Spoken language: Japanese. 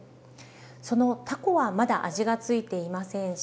そのタコはまだ味が付いていませんし。